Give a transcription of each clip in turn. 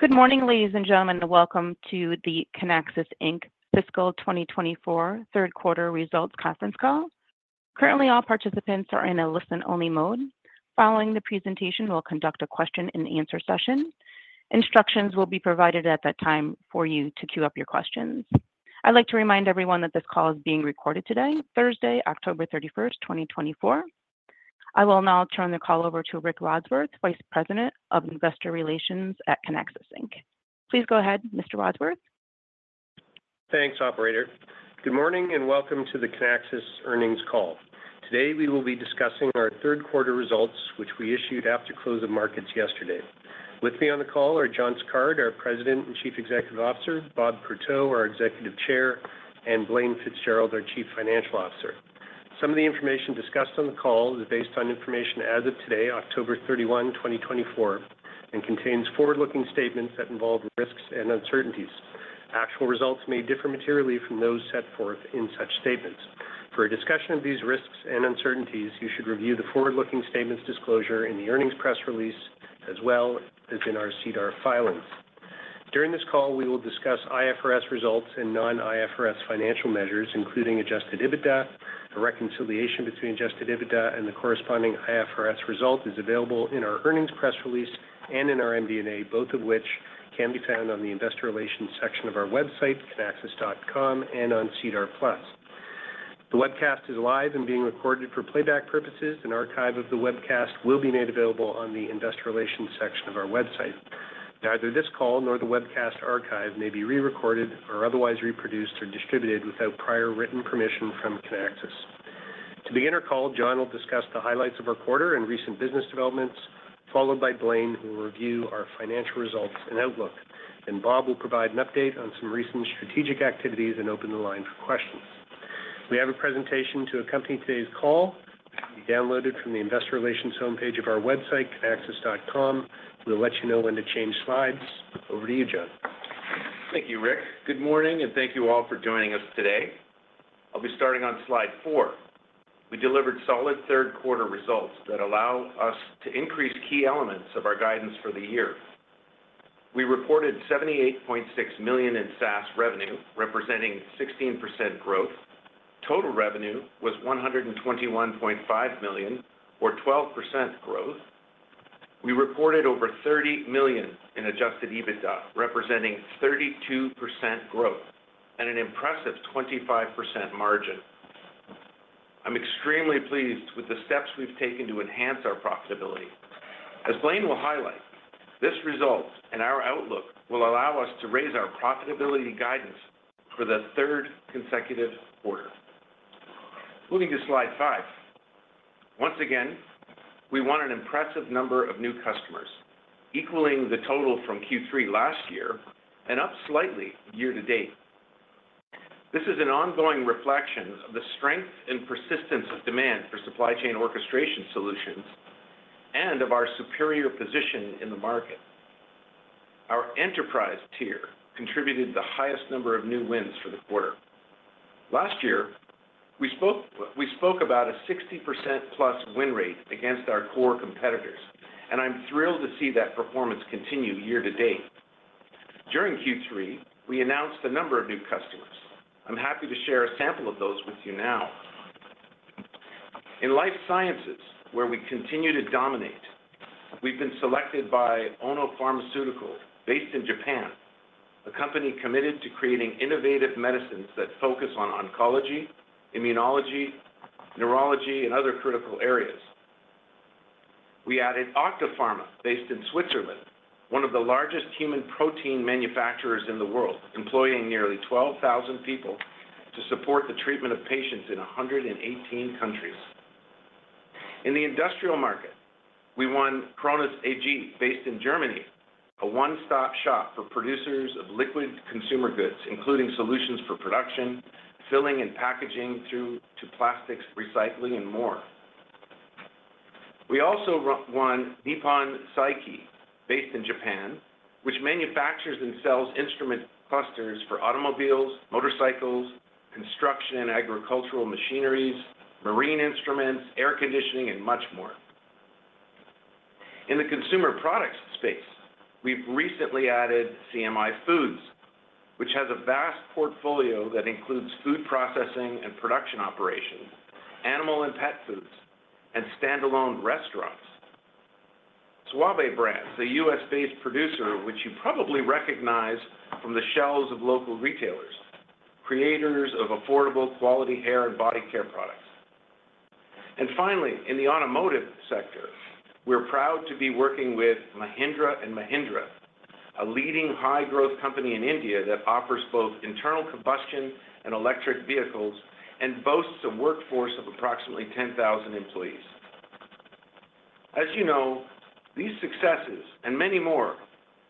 Good morning, ladies and gentlemen. Welcome to the Kinaxis Inc fiscal 2024 third quarter results conference call. Currently, all participants are in a listen-only mode. Following the presentation, we'll conduct a question-and-answer session. Instructions will be provided at that time for you to queue up your questions. I'd like to remind everyone that this call is being recorded today, Thursday, October 31st 2024. I will now turn the call over to Rick Wadsworth, Vice President of Investor Relations at Kinaxis Inc. Please go ahead, Mr. Wadsworth. Thanks, Operator. Good morning and welcome to the Kinaxis earnings call. Today, we will be discussing our third quarter results, which we issued after close of markets yesterday. With me on the call are John Sicard, our President and Chief Executive Officer, Bob Courteau, our Executive Chair, and Blaine Fitzgerald, our Chief Financial Officer. Some of the information discussed on the call is based on information as of today, October 31, 2024, and contains forward-looking statements that involve risks and uncertainties. Actual results may differ materially from those set forth in such statements. For a discussion of these risks and uncertainties, you should review the forward-looking statements disclosure in the earnings press release, as well as in our SEDAR filings. During this call, we will discuss IFRS results and non-IFRS financial measures, including Adjusted EBITDA. A reconciliation between adjusted EBITDA and the corresponding IFRS result is available in our earnings press release and in our MD&A, both of which can be found on the Investor Relations section of our website, kinaxis.com, and on SEDAR+. The webcast is live and being recorded for playback purposes. An archive of the webcast will be made available on the Investor Relations section of our website. Neither this call nor the webcast archive may be rerecorded or otherwise reproduced or distributed without prior written permission from Kinaxis. To begin our call, John will discuss the highlights of our quarter and recent business developments, followed by Blaine, who will review our financial results and outlook, and Bob will provide an update on some recent strategic activities and open the line for questions. We have a presentation to accompany today's call. It can be downloaded from the Investor Relations homepage of our website, Kinaxis.com. We'll let you know when to change slides. Over to you, John. Thank you, Rick. Good morning, and thank you all for joining us today. I'll be starting on slide four. We delivered solid third quarter results that allow us to increase key elements of our guidance for the year. We reported $78.6 million in SaaS revenue, representing 16% growth. Total revenue was $121.5 million, or 12% growth. We reported over $30 million in adjusted EBITDA, representing 32% growth and an impressive 25% margin. I'm extremely pleased with the steps we've taken to enhance our profitability. As Blaine will highlight, this result and our outlook will allow us to raise our profitability guidance for the third consecutive quarter. Moving to slide five. Once again, we won an impressive number of new customers, equaling the total from Q3 last year and up slightly year to date. This is an ongoing reflection of the strength and persistence of demand for supply chain orchestration solutions and of our superior position in the market. Our enterprise tier contributed the highest number of new wins for the quarter. Last year, we spoke about a 60% plus win rate against our core competitors, and I'm thrilled to see that performance continue year to date. During Q3, we announced a number of new customers. I'm happy to share a sample of those with you now. In life sciences, where we continue to dominate, we've been selected by Ono Pharmaceutical, based in Japan, a company committed to creating innovative medicines that focus on oncology, immunology, neurology, and other critical areas. We added Octapharma, based in Switzerland, one of the largest human protein manufacturers in the world, employing nearly 12,000 people to support the treatment of patients in 118 countries. In the industrial market, we won Krones AG, based in Germany, a one-stop shop for producers of liquid consumer goods, including solutions for production, filling and packaging through to plastics, recycling, and more. We also won Nippon Seiki, based in Japan, which manufactures and sells instrument clusters for automobiles, motorcycles, construction and agricultural machineries, marine instruments, air conditioning, and much more. In the consumer products space, we've recently added CMI Foods, which has a vast portfolio that includes food processing and production operations, animal and pet foods, and standalone restaurants. Suave Brands, a U.S.-based producer, which you probably recognize from the shelves of local retailers, creators of affordable quality hair and body care products. And finally, in the automotive sector, we're proud to be working with Mahindra & Mahindra, a leading high-growth company in India that offers both internal combustion and electric vehicles and boasts a workforce of approximately 10,000 employees. As you know, these successes and many more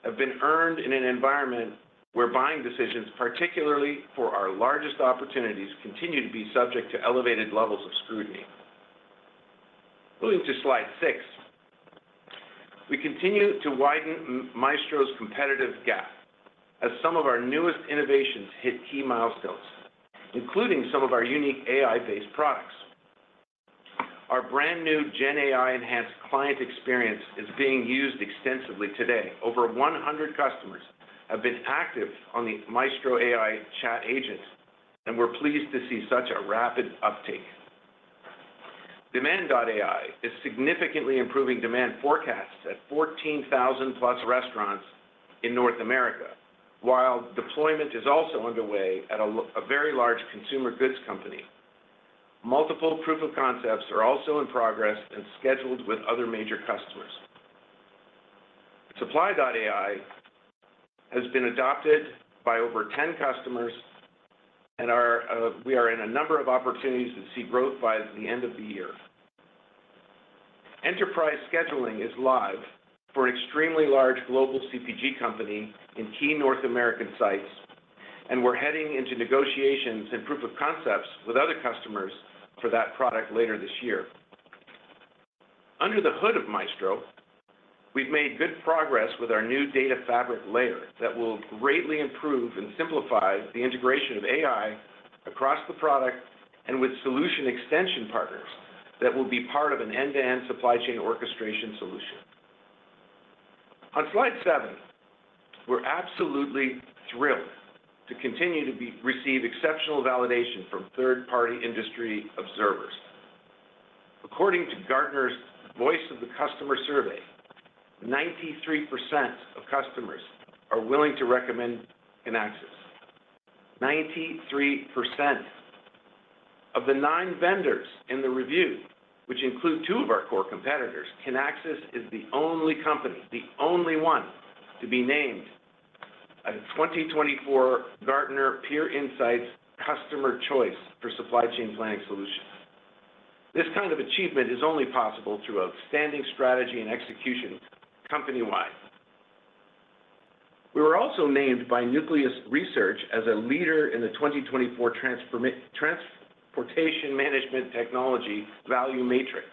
have been earned in an environment where buying decisions, particularly for our largest opportunities, continue to be subject to elevated levels of scrutiny. Moving to slide six, we continue to widen Maestro's competitive gap as some of our newest innovations hit key milestones, including some of our unique AI-based products. Our brand new Gen AI-enhanced client experience is being used extensively today. Over 100 customers have been active on the Maestro AI chat agent, and we're pleased to see such a rapid uptake. Demand.AI is significantly improving demand forecasts at 14,000+ restaurants in North America, while deployment is also underway at a very large consumer goods company. Multiple proof of concepts are also in progress and scheduled with other major customers. Supply.AI has been adopted by over 10 customers, and we are in a number of opportunities to see growth by the end of the year. Enterprise Scheduling is live for an extremely large global CPG company in key North American sites, and we're heading into negotiations and proof of concepts with other customers for that product later this year. Under the hood of Maestro, we've made good progress with our new data fabric layer that will greatly improve and simplify the integration of AI across the product and with solution extension partners that will be part of an end-to-end supply chain orchestration solution. On slide seven, we're absolutely thrilled to continue to receive exceptional validation from third-party industry observers. According to Gartner's Voice of the Customer Survey, 93% of customers are willing to recommend Kinaxis. Of the nine vendors in the review, which include two of our core competitors, Kinaxis is the only company, the only one to be named a 2024 Gartner Peer Insights Customers' Choice for Supply Chain Planning Solutions. This kind of achievement is only possible through outstanding strategy and execution company-wide. We were also named by Nucleus Research as a leader in the 2024 Transportation Management Technology Value Matrix,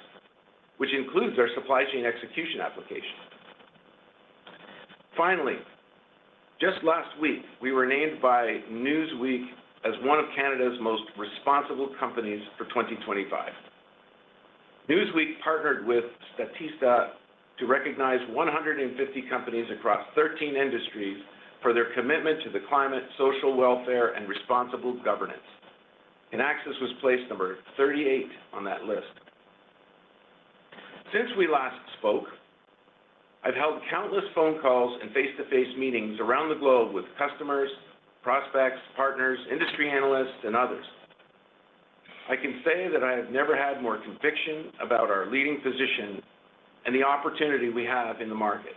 which includes our supply chain execution application. Finally, just last week, we were named by Newsweek as one of Canada's most responsible companies for 2025. Newsweek partnered with Statista to recognize 150 companies across 13 industries for their commitment to the climate, social welfare, and responsible governance. Kinaxis was placed number 38 on that list. Since we last spoke, I've held countless phone calls and face-to-face meetings around the globe with customers, prospects, partners, industry analysts, and others. I can say that I have never had more conviction about our leading position and the opportunity we have in the market,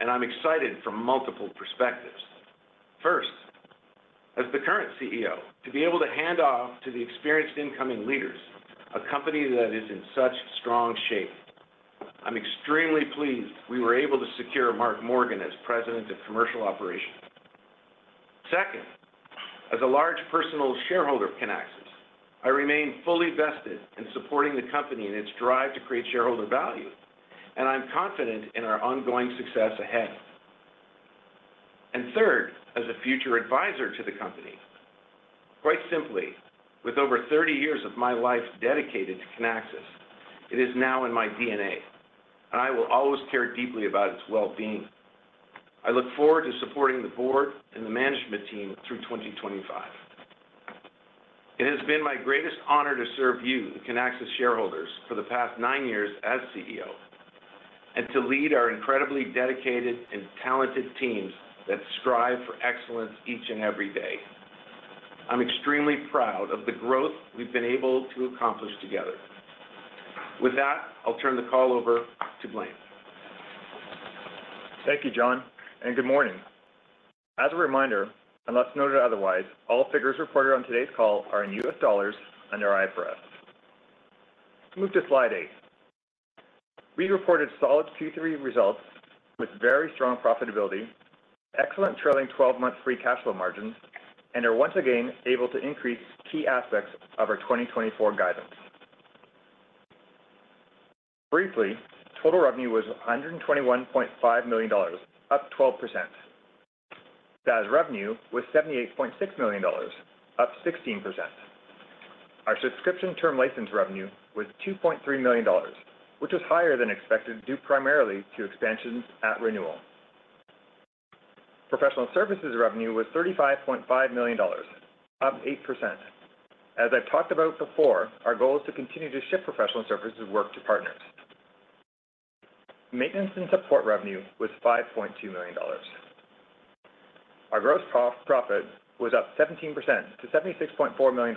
and I'm excited from multiple perspectives. First, as the current CEO, to be able to hand off to the experienced incoming leaders a company that is in such strong shape, I'm extremely pleased we were able to secure Mark Morgan as President of Commercial Operations. Second, as a large personal shareholder of Kinaxis, I remain fully vested in supporting the company and its drive to create shareholder value, and I'm confident in our ongoing success ahead. And third, as a future advisor to the company, quite simply, with over 30 years of my life dedicated to Kinaxis, it is now in my DNA, and I will always care deeply about its well-being. I look forward to supporting the board and the management team through 2025. It has been my greatest honor to serve you, the Kinaxis shareholders, for the past nine years as CEO and to lead our incredibly dedicated and talented teams that strive for excellence each and every day. I'm extremely proud of the growth we've been able to accomplish together. With that, I'll turn the call over to Blaine. Thank you, John, and good morning. As a reminder, unless noted otherwise, all figures reported on today's call are in U.S. dollars under IFRS. Move to slide eight. We reported solid Q3 results with very strong profitability, excellent trailing 12-month free cash flow margins, and are once again able to increase key aspects of our 2024 guidance. Briefly, total revenue was $121.5 million, up 12%. That revenue was $78.6 million, up 16%. Our subscription term license revenue was $2.3 million, which was higher than expected due primarily to expansions at renewal. Professional services revenue was $35.5 million, up 8%. As I've talked about before, our goal is to continue to ship professional services work to partners. Maintenance and support revenue was $5.2 million. Our gross profit was up 17% to $76.4 million,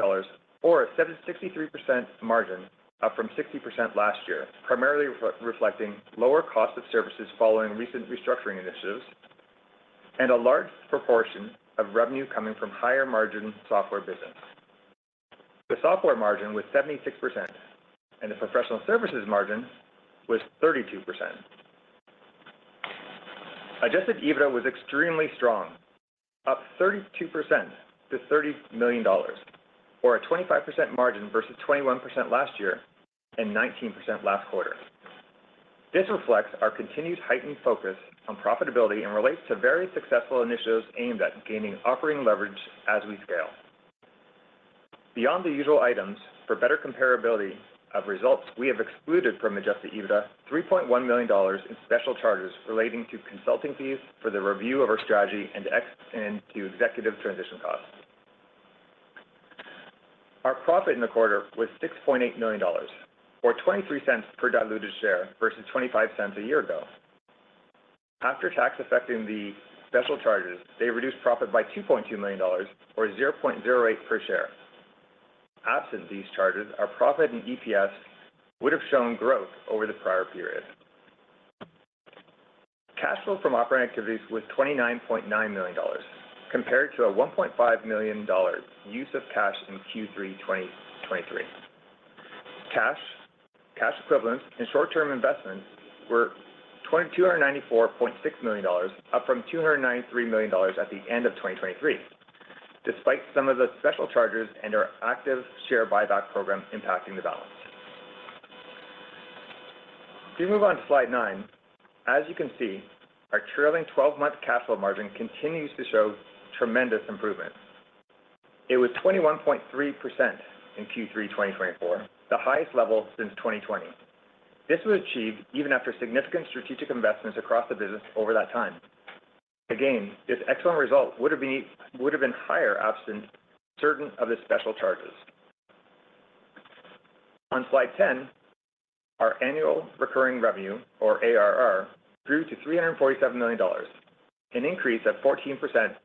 or a 63% margin, up from 60% last year, primarily reflecting lower cost of services following recent restructuring initiatives and a large proportion of revenue coming from higher margin software business. The software margin was 76%, and the professional services margin was 32%. Adjusted EBITDA was extremely strong, up 32% to $30 million, or a 25% margin versus 21% last year and 19% last quarter. This reflects our continued heightened focus on profitability and relates to various successful initiatives aimed at gaining operating leverage as we scale. Beyond the usual items, for better comparability of results, we have excluded from adjusted EBITDA $3.1 million in special charges relating to consulting fees for the review of our strategy and to executive transition costs. Our profit in the quarter was $6.8 million, or $0.23 per diluted share versus $0.25 a year ago. After tax affecting the special charges, they reduced profit by $2.2 million, or $0.08 per share. Absent these charges, our profit and EPS would have shown growth over the prior period. Cash flow from operating activities was $29.9 million, compared to a $1.5 million use of cash in Q3 2023. Cash equivalents and short-term investments were $294.6 million, up from $293 million at the end of 2023, despite some of the special charges and our active share buyback program impacting the balance. If you move on to slide nine, as you can see, our trailing 12-month cash flow margin continues to show tremendous improvement. It was 21.3% in Q3 2024, the highest level since 2020. This was achieved even after significant strategic investments across the business over that time. Again, this excellent result would have been higher absent certain of the special charges. On slide 10, our annual recurring revenue, or ARR, grew to $347 million, an increase of 14%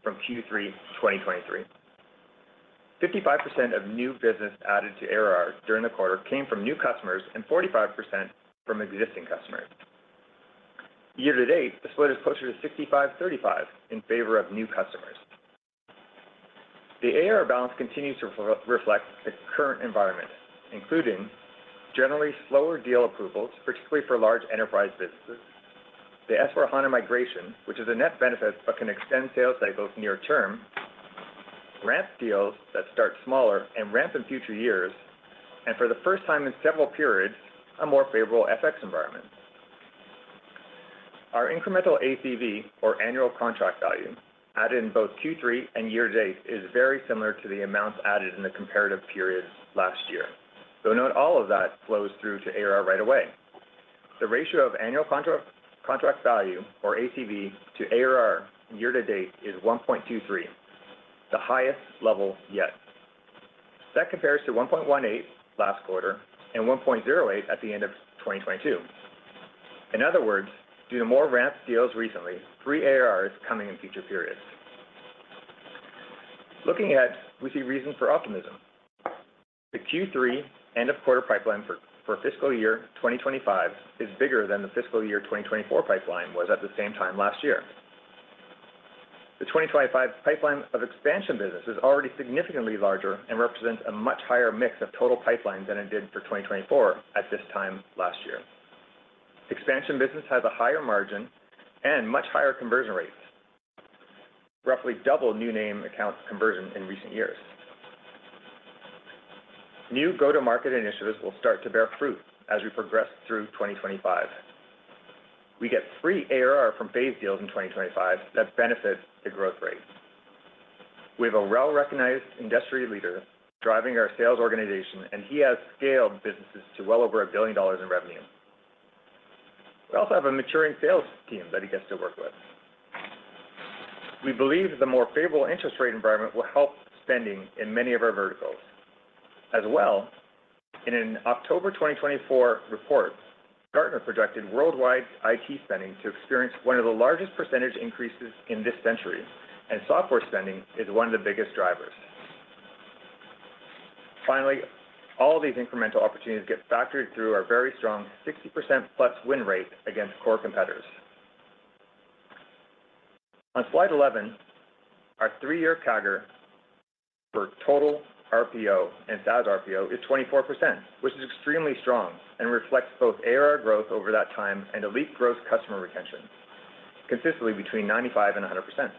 from Q3 2023. 55% of new business added to ARR during the quarter came from new customers and 45% from existing customers. Year to date, the split is closer to 65%-35% in favor of new customers. The ARR balance continues to reflect the current environment, including generally slower deal approvals, particularly for large enterprise businesses, the S/4HANA migration, which is a net benefit but can extend sales cycles near term, ramp deals that start smaller and ramp in future years, and for the first time in several periods, a more favorable FX environment. Our incremental ACV, or annual contract value, added in both Q3 and year to date, is very similar to the amounts added in the comparative period last year. Though not all of that flows through to ARR right away. The ratio of Annual Contract Value, or ACV, to ARR year to date is 1.23, the highest level yet. That compares to 1.18 last quarter and 1.08 at the end of 2022. In other words, due to more ramped deals recently, there are ARRs coming in future periods. Looking ahead, we see reasons for optimism. The Q3 end-of-quarter pipeline for fiscal year 2025 is bigger than the fiscal year 2024 pipeline was at the same time last year. The 2025 pipeline of expansion business is already significantly larger and represents a much higher mix of total pipeline than it did for 2024 at this time last year. Expansion business has a higher margin and much higher conversion rates, roughly double new name account conversion in recent years. New go-to-market initiatives will start to bear fruit as we progress through 2025. We get free ARR from phase deals in 2025 that benefit the growth rate. We have a well-recognized industry leader driving our sales organization, and he has scaled businesses to well over a billion dollars in revenue. We also have a maturing sales team that he gets to work with. We believe the more favorable interest rate environment will help spending in many of our verticals. As well, in an October 2024 report, Gartner projected worldwide IT spending to experience one of the largest percentage increases in this century, and software spending is one of the biggest drivers. Finally, all of these incremental opportunities get factored through our very strong 60% plus win rate against core competitors. On slide 11, our three-year CAGR for total RPO and SaaS RPO is 24%, which is extremely strong and reflects both ARR growth over that time and elite gross customer retention, consistently between 95 and 100%.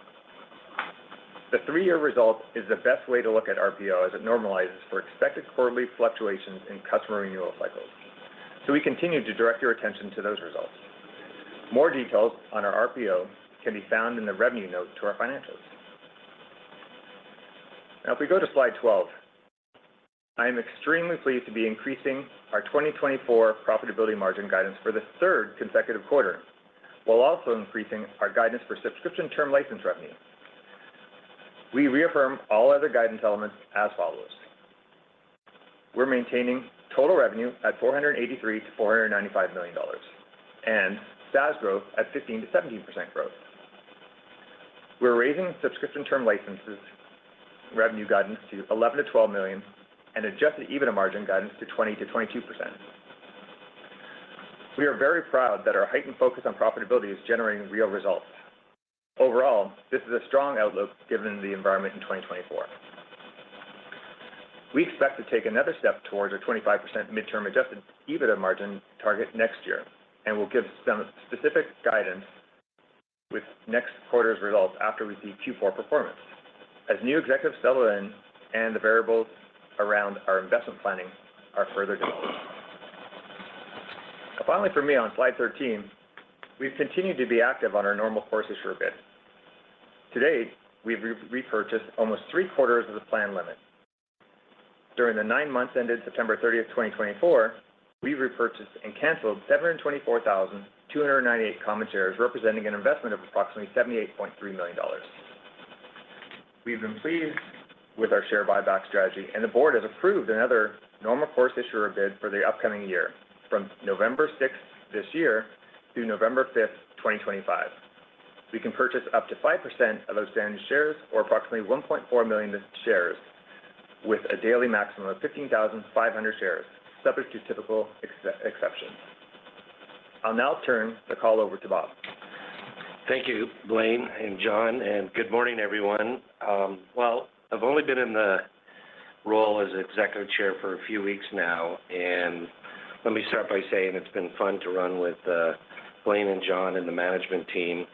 The three-year result is the best way to look at RPO as it normalizes for expected quarterly fluctuations in customer renewal cycles. So we continue to direct your attention to those results. More details on our RPO can be found in the revenue note to our financials. Now, if we go to slide 12, I am extremely pleased to be increasing our 2024 profitability margin guidance for the third consecutive quarter, while also increasing our guidance for subscription term license revenue. We reaffirm all other guidance elements as follows. We're maintaining total revenue at $483 million-$495 million and SaaS growth at 15%-17% growth. We're raising subscription term licenses revenue guidance to $11 million-$12 million and adjusted EBITDA margin guidance to 20%-22%. We are very proud that our heightened focus on profitability is generating real results. Overall, this is a strong outlook given the environment in 2024. We expect to take another step towards a 25% midterm adjusted EBITDA margin target next year and will give some specific guidance with next quarter's results after we see Q4 performance, as new executives settle in and the variables around our investment planning are further developed. Finally, for me, on slide 13, we've continued to be active on our normal course issuer bid. To date, we've repurchased almost three quarters of the planned limit. During the nine months ended September 30, 2024, we've repurchased and canceled 724,298 common shares representing an investment of approximately $78.3 million. We've been pleased with our share buyback strategy, and the board has approved another normal course issuer bid for the upcoming year from November 6 this year through November 5, 2025. We can purchase up to 5% of those outstanding shares or approximately 1.4 million shares with a daily maximum of 15,500 shares, subject to typical exceptions. I'll now turn the call over to Bob. Thank you, Blaine and John, and good morning, everyone. Well, I've only been in the role as Executive Chair for a few weeks now, and let me start by saying it's been fun to run with Blaine and John and the management team.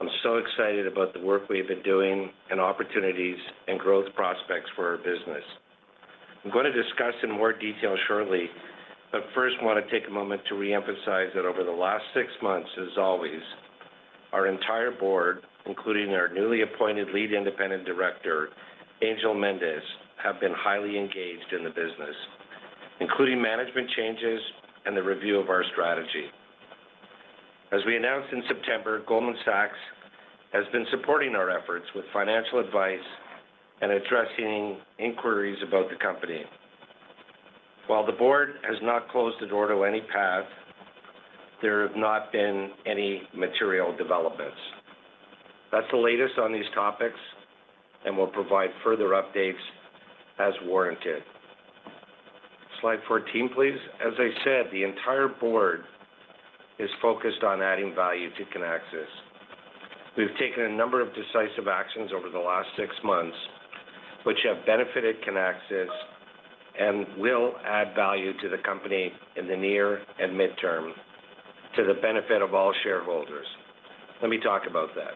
I'm so excited about the work we've been doing and opportunities and growth prospects for our business. I'm going to discuss in more detail shortly, but first want to take a moment to reemphasize that over the last six months, as always, our entire board, including our newly appointed Lead Independent Director, Angel Mendez, have been highly engaged in the business, including management changes and the review of our strategy. As we announced in September, Goldman Sachs has been supporting our efforts with financial advice and addressing inquiries about the company. While the board has not closed the door to any path, there have not been any material developments. That's the latest on these topics, and we'll provide further updates as warranted. slide 14, please. As I said, the entire board is focused on adding value to Kinaxis. We've taken a number of decisive actions over the last six months, which have benefited Kinaxis and will add value to the company in the near and midterm to the benefit of all shareholders. Let me talk about that.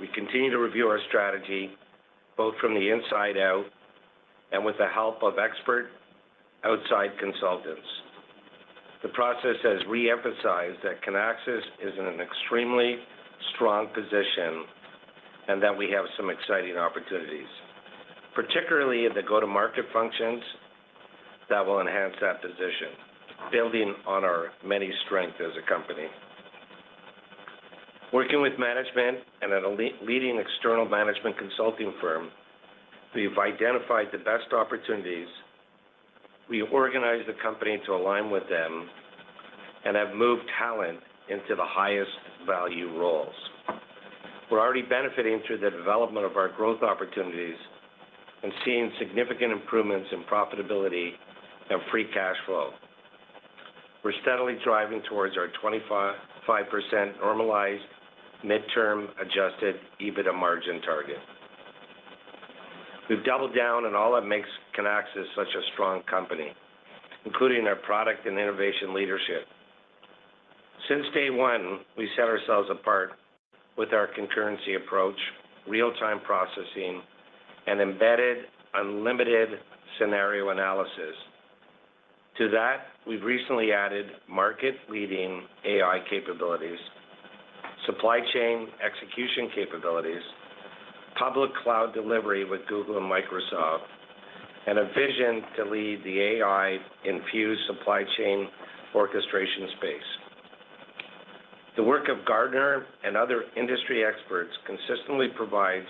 We continue to review our strategy both from the inside out and with the help of expert outside consultants. The process has reemphasized that Kinaxis is in an extremely strong position and that we have some exciting opportunities, particularly in the go-to-market functions that will enhance that position, building on our many strengths as a company. Working with management and a leading external management consulting firm, we've identified the best opportunities. We organize the company to align with them and have moved talent into the highest value roles. We're already benefiting through the development of our growth opportunities and seeing significant improvements in profitability and free cash flow. We're steadily driving towards our 25% normalized midterm adjusted EBITDA margin target. We've doubled down on all that makes Kinaxis such a strong company, including our product and innovation leadership. Since day one, we set ourselves apart with our concurrency approach, real-time processing, and embedded unlimited scenario analysis. To that, we've recently added market-leading AI capabilities, supply chain execution capabilities, public cloud delivery with Google and Microsoft, and a vision to lead the AI-infused supply chain orchestration space. The work of Gartner and other industry experts consistently provides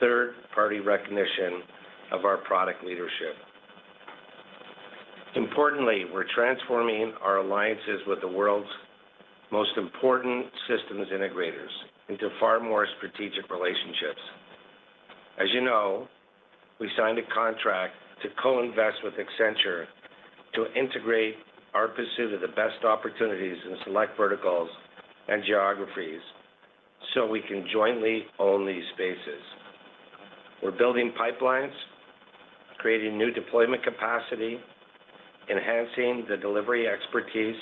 third-party recognition of our product leadership. Importantly, we're transforming our alliances with the world's most important systems integrators into far more strategic relationships. As you know, we signed a contract to co-invest with Accenture to integrate our pursuit of the best opportunities in select verticals and geographies so we can jointly own these spaces. We're building pipelines, creating new deployment capacity, enhancing the delivery expertise,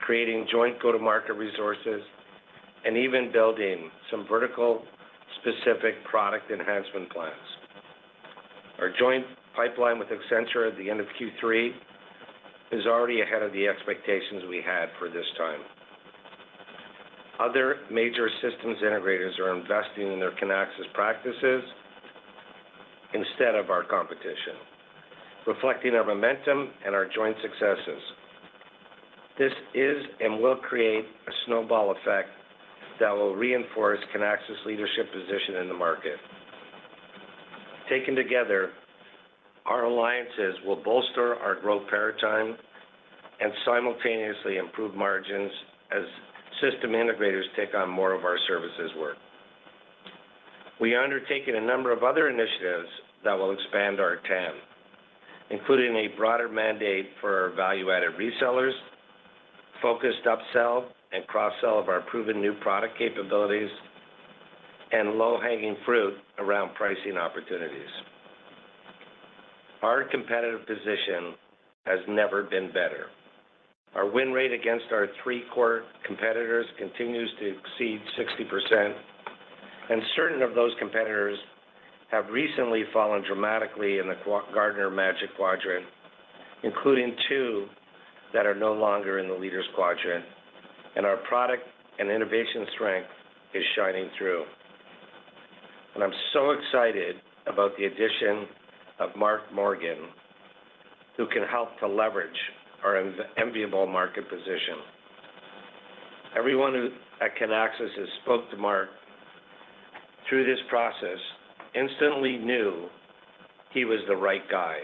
creating joint go-to-market resources, and even building some vertical-specific product enhancement plans. Our joint pipeline with Accenture at the end of Q3 is already ahead of the expectations we had for this time. Other major systems integrators are investing in their Kinaxis practices instead of our competition, reflecting our momentum and our joint successes. This is and will create a snowball effect that will reinforce Kinaxis' leadership position in the market. Taken together, our alliances will bolster our growth paradigm and simultaneously improve margins as system integrators take on more of our services work. We have undertaken a number of other initiatives that will expand our TAM, including a broader mandate for our value-added resellers, focused upsell and cross-sell of our proven new product capabilities, and low-hanging fruit around pricing opportunities. Our competitive position has never been better. Our win rate against our three core competitors continues to exceed 60%, and certain of those competitors have recently fallen dramatically in the Gartner Magic Quadrant, including two that are no longer in the leaders' quadrant, and our product and innovation strength is shining through. And I'm so excited about the addition of Mark Morgan, who can help to leverage our enviable market position. Everyone at Kinaxis has spoken to Mark through this process, instantly knew he was the right guy.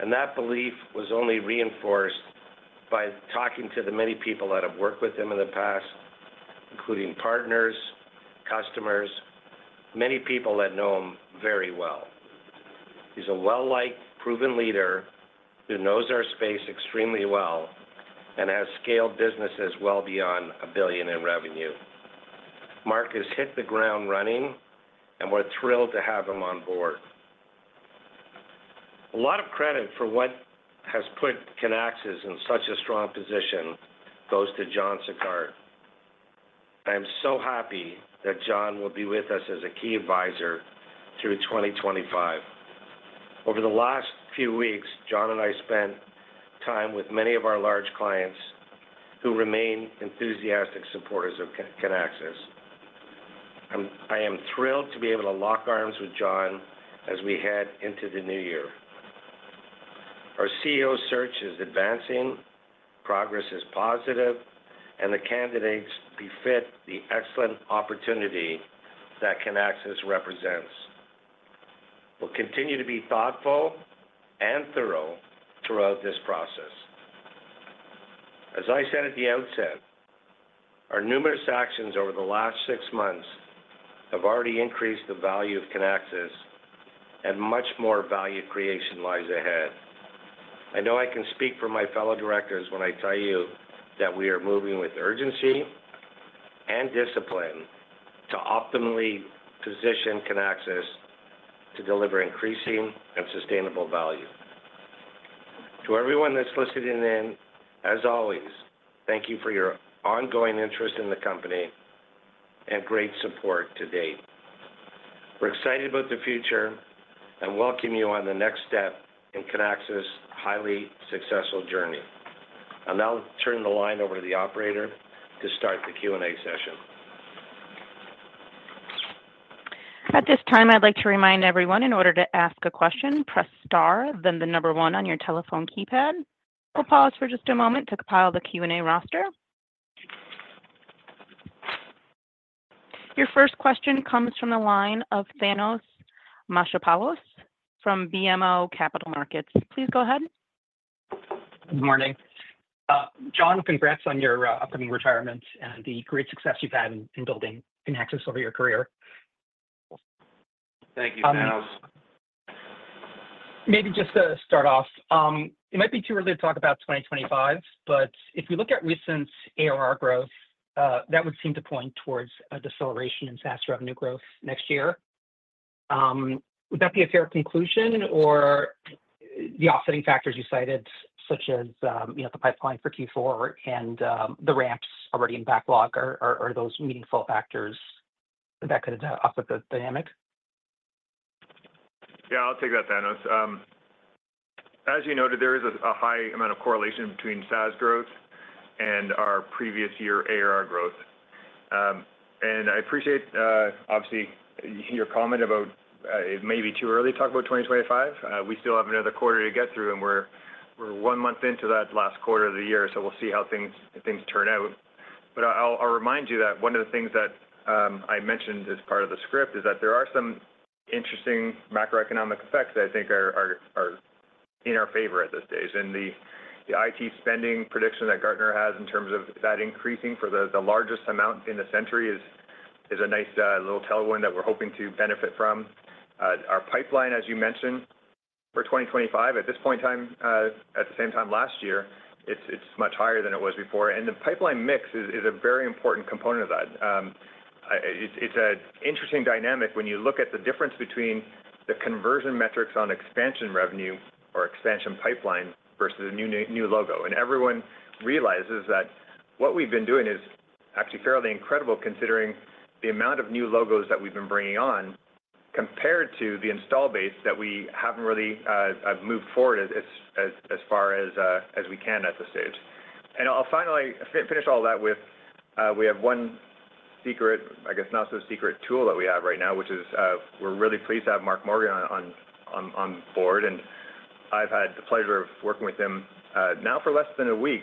And that belief was only reinforced by talking to the many people that have worked with him in the past, including partners, customers, many people that know him very well. He's a well-liked, proven leader who knows our space extremely well and has scaled businesses well beyond a billion in revenue. Mark has hit the ground running, and we're thrilled to have him on board. A lot of credit for what has put Kinaxis in such a strong position goes to John Sicard. I am so happy that John will be with us as a key advisor through 2025. Over the last few weeks, John and I spent time with many of our large clients who remain enthusiastic supporters of Kinaxis. I am thrilled to be able to lock arms with John as we head into the new year. Our CEO search is advancing, progress is positive, and the candidates befit the excellent opportunity that Kinaxis represents. We'll continue to be thoughtful and thorough throughout this process. As I said at the outset, our numerous actions over the last six months have already increased the value of Kinaxis, and much more value creation lies ahead. I know I can speak for my fellow directors when I tell you that we are moving with urgency and discipline to optimally position Kinaxis to deliver increasing and sustainable value. To everyone that's listening in, as always, thank you for your ongoing interest in the company and great support to date. We're excited about the future and welcome you on the next step in Kinaxis' highly successful journey. And I'll turn the line over to the operator to start the Q&A session. At this time, I'd like to remind everyone in order to ask a question, press star, then the number one on your telephone keypad. We'll pause for just a moment to compile the Q&A roster. Your first question comes from the line of Thanos Moschopoulos from BMO Capital Markets. Please go ahead. Good morning. John, congrats on your upcoming retirement and the great success you've had in building Kinaxis over your career. Thank you, Thanos. Maybe just to start off, it might be too early to talk about 2025, but if we look at recent ARR growth, that would seem to point towards a deceleration in SaaS revenue growth next year. Would that be a fair conclusion, or the offsetting factors you cited, such as the pipeline for Q4 and the ramps already in backlog, are those meaningful factors that could offset the dynamic? Yeah, I'll take that, Thanos. As you noted, there is a high amount of correlation between SaaS growth and our previous year ARR growth, and I appreciate, obviously, your comment about it may be too early to talk about 2025. We still have another quarter to get through, and we're one month into that last quarter of the year, so we'll see how things turn out, but I'll remind you that one of the things that I mentioned as part of the script is that there are some interesting macroeconomic effects that I think are in our favor at this stage, and the IT spending prediction that Gartner has in terms of that increasing for the largest amount in the century is a nice little tailwind that we're hoping to benefit from. Our pipeline, as you mentioned, for 2025, at this point in time, at the same time last year, it's much higher than it was before. And the pipeline mix is a very important component of that. It's an interesting dynamic when you look at the difference between the conversion metrics on expansion revenue or expansion pipeline versus a new logo. And everyone realizes that what we've been doing is actually fairly incredible considering the amount of new logos that we've been bringing on compared to the install base that we haven't really moved forward as far as we can at this stage. And I'll finally finish all that with we have one secret, I guess not so secret tool that we have right now, which is we're really pleased to have Mark Morgan on board. I've had the pleasure of working with him now for less than a week,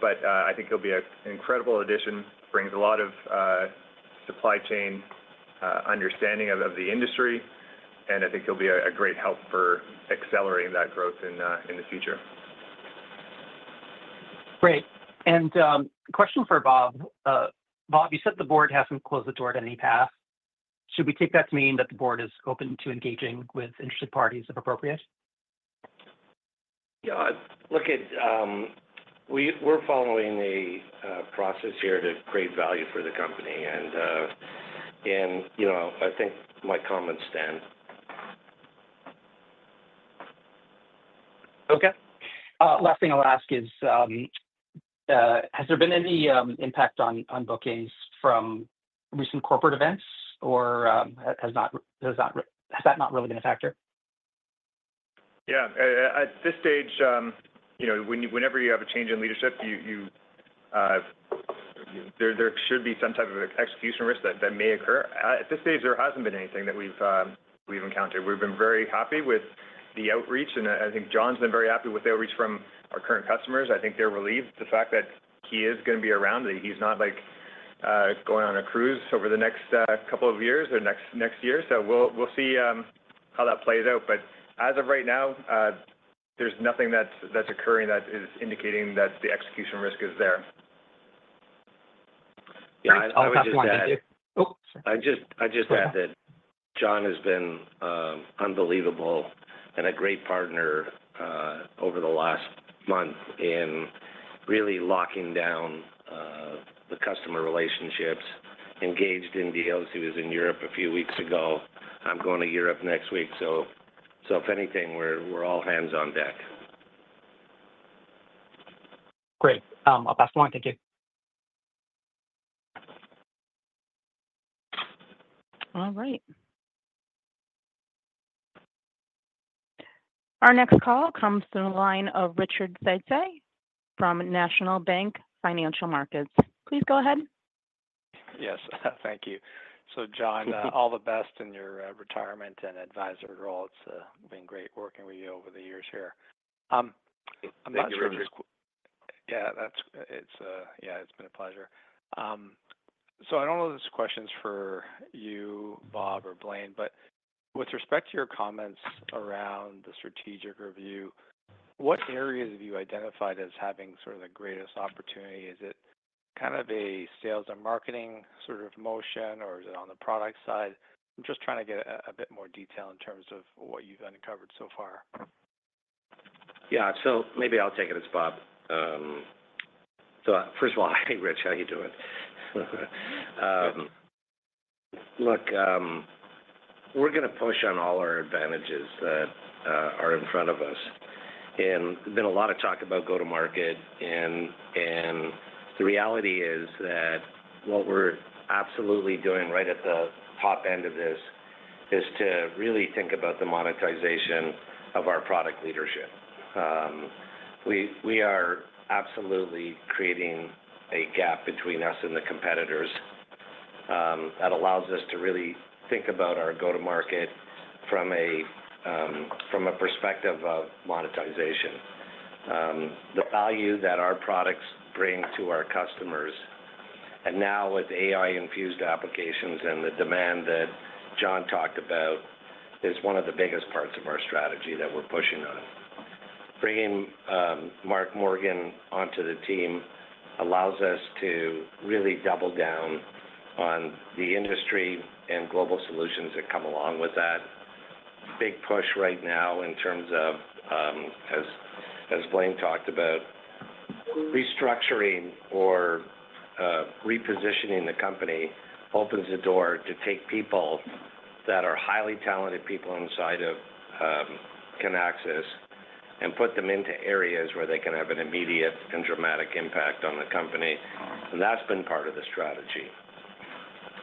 but I think he'll be an incredible addition, brings a lot of supply chain understanding of the industry, and I think he'll be a great help for accelerating that growth in the future. Great. And question for Bob. Bob, you said the board hasn't closed the door to any path. Should we take that to mean that the board is open to engaging with interested parties if appropriate? Yeah. Look, we're following a process here to create value for the company. And I think my comment stands. Okay. Last thing I'll ask is, has there been any impact on bookings from recent corporate events, or has that not really been a factor? Yeah. At this stage, whenever you have a change in leadership, there should be some type of execution risk that may occur. At this stage, there hasn't been anything that we've encountered. We've been very happy with the outreach, and I think John's been very happy with the outreach from our current customers. I think they're relieved the fact that he is going to be around. He's not going on a cruise over the next couple of years or next year. So we'll see how that plays out. But as of right now, there's nothing that's occurring that is indicating that the execution risk is there. I just wanted to. I just add that John has been unbelievable and a great partner over the last month in really locking down the customer relationships, engaged in deals. He was in Europe a few weeks ago. I'm going to Europe next week. So if anything, we're all hands on deck. Great. I'll pass the line. Thank you. All right. Our next call comes through the line of Richard Tse from National Bank Financial Markets. Please go ahead. Yes. Thank you. So John, all the best in your retirement and advisor role. It's been great working with you over the years here. Thanks, Richard. Yeah. Yeah, it's been a pleasure. So I don't know if this question's for you, Bob, or Blaine, but with respect to your comments around the strategic review, what areas have you identified as having sort of the greatest opportunity? Is it kind of a sales and marketing sort of motion, or is it on the product side? I'm just trying to get a bit more detail in terms of what you've uncovered so far. Yeah. So maybe I'll take it as Bob. So first of all, hi, Rich. How are you doing? Look, we're going to push on all our advantages that are in front of us. And there's been a lot of talk about go-to-market. And the reality is that what we're absolutely doing right at the top end of this is to really think about the monetization of our product leadership. We are absolutely creating a gap between us and the competitors that allows us to really think about our go-to-market from a perspective of monetization. The value that our products bring to our customers, and now with AI-infused applications and the demand that John talked about, is one of the biggest parts of our strategy that we're pushing on. Bringing Mark Morgan onto the team allows us to really double down on the industry and global solutions that come along with that. Big push right now in terms of, as Blaine talked about, restructuring or repositioning the company opens the door to take people that are highly talented people inside of Kinaxis and put them into areas where they can have an immediate and dramatic impact on the company. And that's been part of the strategy.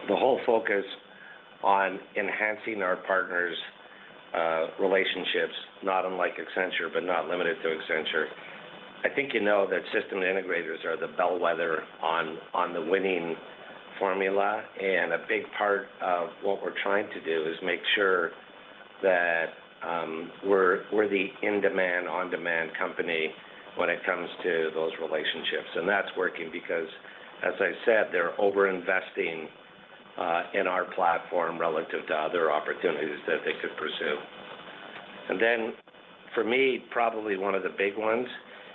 The whole focus on enhancing our partners' relationships, not unlike Accenture, but not limited to Accenture. I think you know that system integrators are the bellwether on the winning formula. And a big part of what we're trying to do is make sure that we're the in-demand, on-demand company when it comes to those relationships. And that's working because, as I said, they're over-investing in our platform relative to other opportunities that they could pursue. And then, for me, probably one of the big ones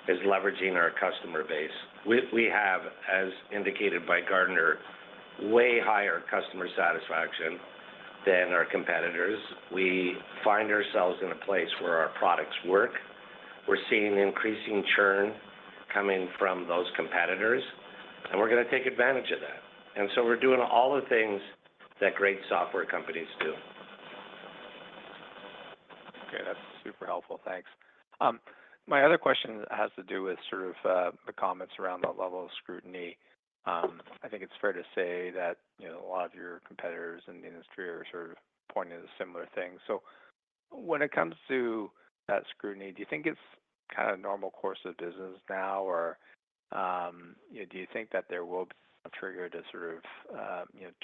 is leveraging our customer base. We have, as indicated by Gartner, way higher customer satisfaction than our competitors. We find ourselves in a place where our products work. We're seeing increasing churn coming from those competitors, and we're going to take advantage of that. And so we're doing all the things that great software companies do. Okay. That's super helpful. Thanks. My other question has to do with sort of the comments around that level of scrutiny. I think it's fair to say that a lot of your competitors in the industry are sort of pointing to similar things. So when it comes to that scrutiny, do you think it's kind of normal course of business now, or do you think that there will be a trigger to sort of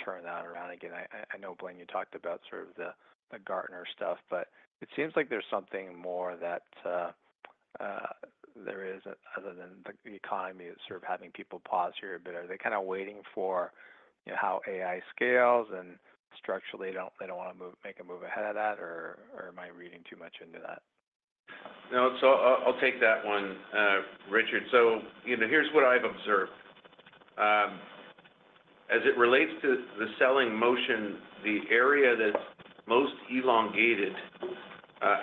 turn that around again? I know, Blaine, you talked about sort of the Gartner stuff, but it seems like there's something more that there is other than the economy that's sort of having people pause here a bit. Are they kind of waiting for how AI scales, and structurally, they don't want to make a move ahead of that, or am I reading too much into that? No, so I'll take that one, Richard, so here's what I've observed. As it relates to the selling motion, the area that's most elongated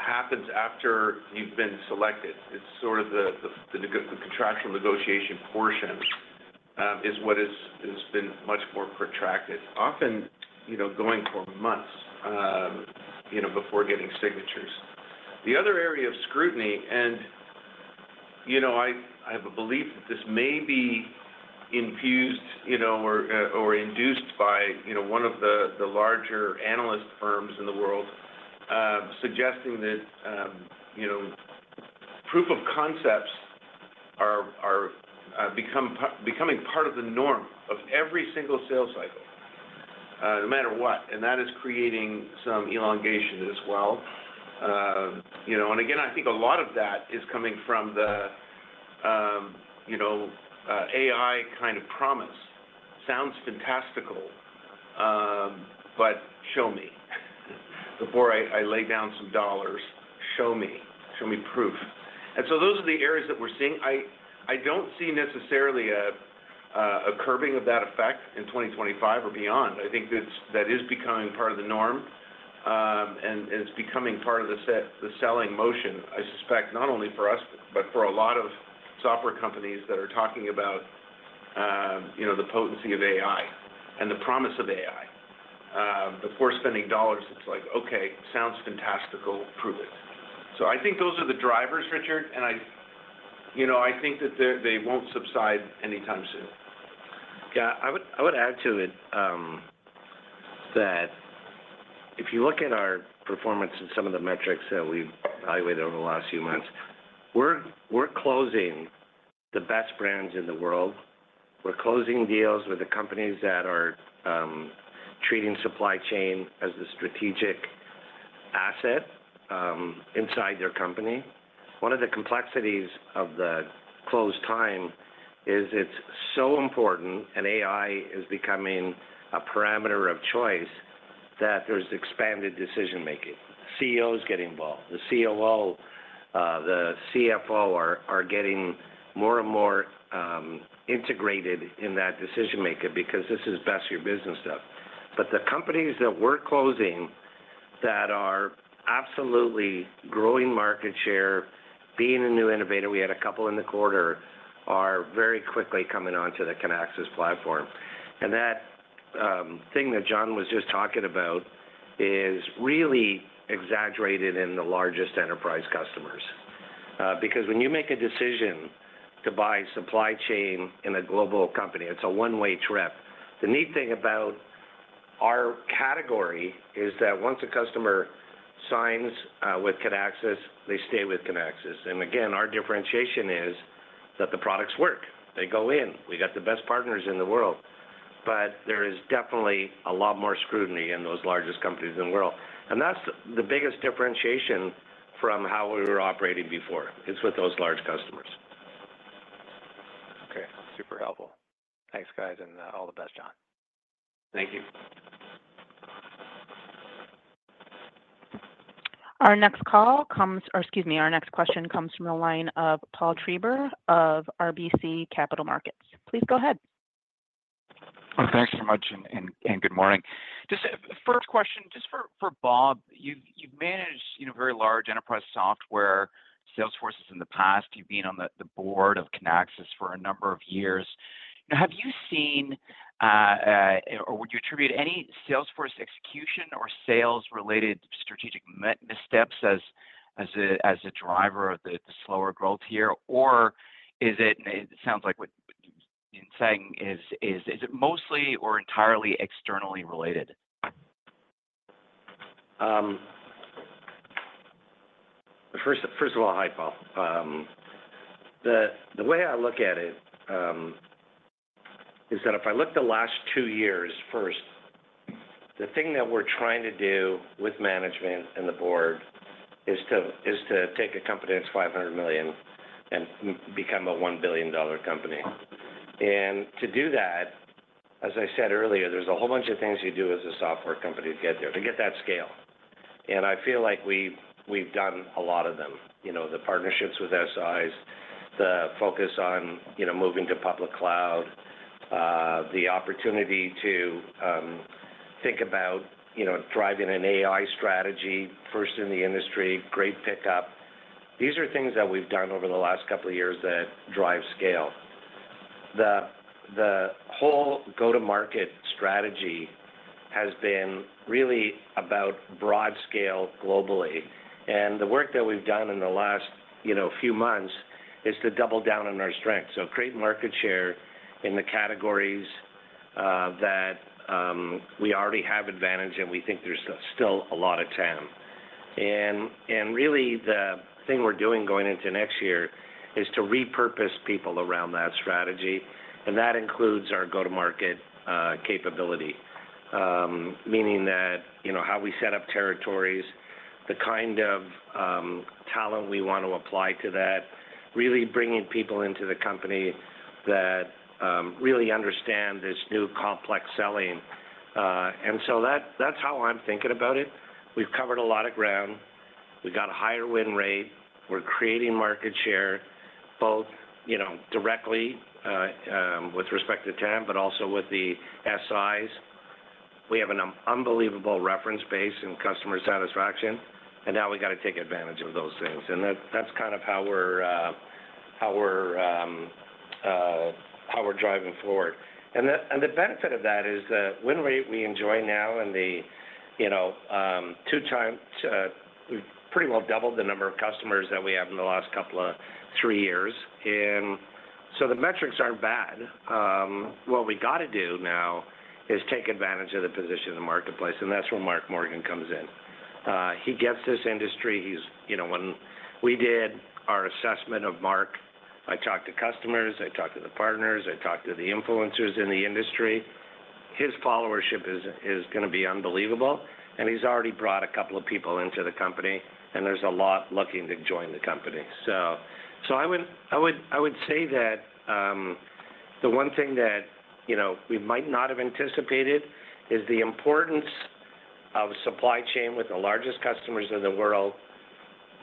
happens after you've been selected. It's sort of the contractual negotiation portion is what has been much more protracted, often going for months before getting signatures. The other area of scrutiny, and I have a belief that this may be infused or induced by one of the larger analyst firms in the world, suggesting that proof of concepts are becoming part of the norm of every single sales cycle, no matter what, and that is creating some elongation as well. And again, I think a lot of that is coming from the AI kind of promise. Sounds fantastical, but show me. Before I lay down some dollars, show me. Show me proof, and so those are the areas that we're seeing. I don't see necessarily a curving of that effect in 2025 or beyond. I think that is becoming part of the norm, and it's becoming part of the selling motion, I suspect, not only for us, but for a lot of software companies that are talking about the potency of AI and the promise of AI. Before spending dollars, it's like, "Okay. Sounds fantastical. Prove it." So I think those are the drivers, Richard, and I think that they won't subside anytime soon. Yeah. I would add to it that if you look at our performance and some of the metrics that we've evaluated over the last few months, we're closing the best brands in the world. We're closing deals with the companies that are treating supply chain as the strategic asset inside their company. One of the complexities of the close time is it's so important, and AI is becoming a parameter of choice, that there's expanded decision-making. CEOs get involved. The COO, the CFO are getting more and more integrated in that decision-making because this is best for your business stuff. But the companies that we're closing that are absolutely growing market share, being a new innovator, we had a couple in the quarter, are very quickly coming onto the Kinaxis platform. And that thing that John was just talking about is really exaggerated in the largest enterprise customers. Because when you make a decision to buy supply chain in a global company, it's a one-way trip. The neat thing about our category is that once a customer signs with Kinaxis, they stay with Kinaxis. And again, our differentiation is that the products work. They go in. We got the best partners in the world. But there is definitely a lot more scrutiny in those largest companies in the world. And that's the biggest differentiation from how we were operating before. It's with those large customers. Okay. Super helpful. Thanks, guys, and all the best, John. Thank you. Our next call comes, or excuse me, our next question comes from the line of Paul Treiber of RBC Capital Markets. Please go ahead. Thanks so much, and good morning. Just first question, just for Bob, you've managed very large enterprise software sales forces in the past. You've been on the board of Kinaxis for a number of years. Have you seen or would you attribute any sales force execution or sales-related strategic missteps as a driver of the slower growth here? Or is it, and it sounds like what you've been saying, is it mostly or entirely externally related? First of all, hi, Paul. The way I look at it is that if I look at the last two years first, the thing that we're trying to do with management and the board is to take a company that's $500 million and become a $1 billion company. And to do that, as I said earlier, there's a whole bunch of things you do as a software company to get there, to get that scale. And I feel like we've done a lot of them: the partnerships with SIs, the focus on moving to public cloud, the opportunity to think about driving an AI strategy first in the industry, great pickup. These are things that we've done over the last couple of years that drive scale. The whole go-to-market strategy has been really about broad scale globally. And the work that we've done in the last few months is to double down on our strengths. So create market share in the categories that we already have advantage, and we think there's still a lot of time. And really, the thing we're doing going into next year is to repurpose people around that strategy. And that includes our go-to-market capability, meaning that how we set up territories, the kind of talent we want to apply to that, really bringing people into the company that really understand this new complex selling. And so that's how I'm thinking about it. We've covered a lot of ground. We've got a higher win rate. We're creating market share both directly with respect to time, but also with the SIs. We have an unbelievable reference base in customer satisfaction, and now we got to take advantage of those things. And that's kind of how we're driving forward. And the benefit of that is the win rate we enjoy now and the two times—we've pretty well doubled the number of customers that we have in the last couple of three years. And so the metrics aren't bad. What we got to do now is take advantage of the position in the marketplace, and that's where Mark Morgan comes in. He gets this industry. When we did our assessment of Mark, I talked to customers. I talked to the partners. I talked to the influencers in the industry. His followership is going to be unbelievable, and he's already brought a couple of people into the company, and there's a lot looking to join the company. So I would say that the one thing that we might not have anticipated is the importance of supply chain with the largest customers in the world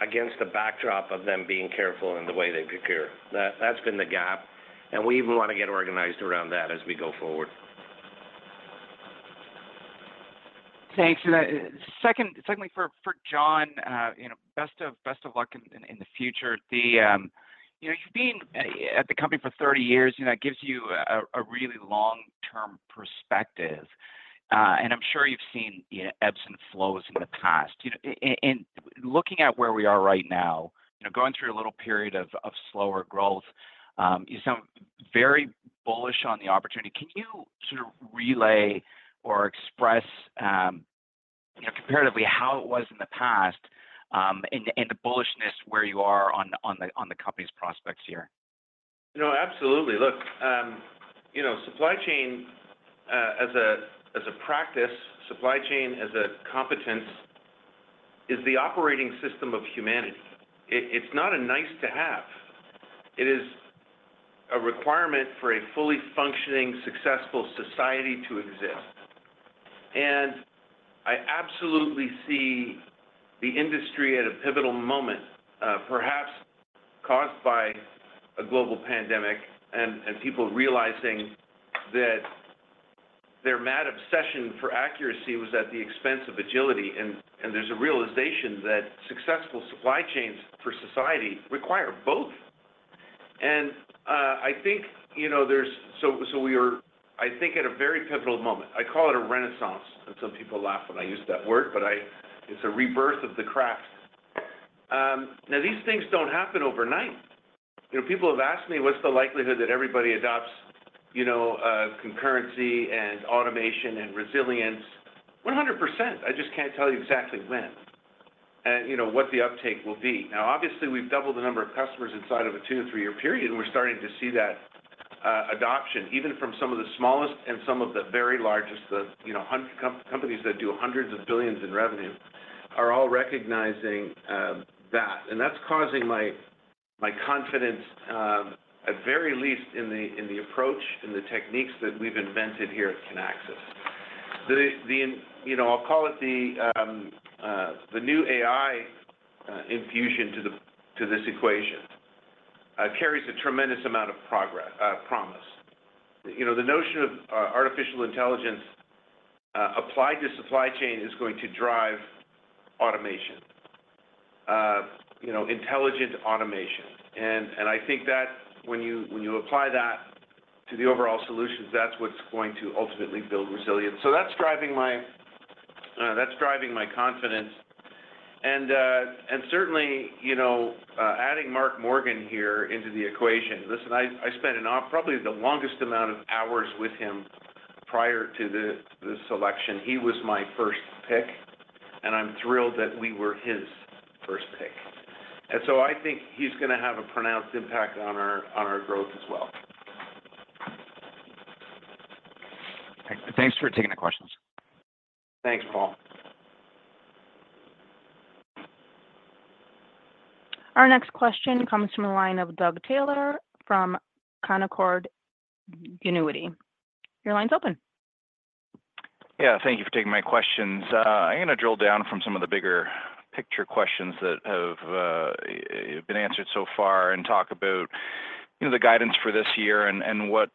against the backdrop of them being careful in the way they procure. That's been the gap. And we even want to get organized around that as we go forward. Thanks. Secondly, for John, best of luck in the future. You've been at the company for 30 years. It gives you a really long-term perspective, and I'm sure you've seen ebbs and flows in the past. And looking at where we are right now, going through a little period of slower growth, you sound very bullish on the opportunity. Can you sort of relay or express comparatively how it was in the past and the bullishness where you are on the company's prospects here? No, absolutely. Look, supply chain as a practice, supply chain as a competence, is the operating system of humanity. It's not a nice-to-have. It is a requirement for a fully functioning, successful society to exist. And I absolutely see the industry at a pivotal moment, perhaps caused by a global pandemic and people realizing that their mad obsession for accuracy was at the expense of agility. And there's a realization that successful supply chains for society require both. And I think there's, so we are, I think, at a very pivotal moment. I call it a renaissance, and some people laugh when I use that word, but it's a rebirth of the craft. Now, these things don't happen overnight. People have asked me, "What's the likelihood that everybody adopts concurrency and automation and resilience?" 100%. I just can't tell you exactly when and what the uptake will be. Now, obviously, we've doubled the number of customers inside of a two- to three-year period, and we're starting to see that adoption, even from some of the smallest and some of the very largest. The companies that do hundreds of billions in revenue are all recognizing that, and that's causing my confidence, at very least, in the approach and the techniques that we've invented here at Kinaxis. I'll call it the new AI infusion to this equation. It carries a tremendous amount of promise. The notion of artificial intelligence applied to supply chain is going to drive automation, intelligent automation. And I think that when you apply that to the overall solutions, that's what's going to ultimately build resilience, so that's driving my confidence. And certainly, adding Mark Morgan here into the equation, listen, I spent probably the longest amount of hours with him prior to the selection. He was my first pick, and I'm thrilled that we were his first pick, and so I think he's going to have a pronounced impact on our growth as well. Thanks for taking the questions. Thanks, Paul. Our next question comes from the line of Doug Taylor from Canaccord Genuity. Your line's open. Yeah. Thank you for taking my questions. I'm going to drill down from some of the bigger picture questions that have been answered so far and talk about the guidance for this year and what